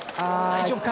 大丈夫か！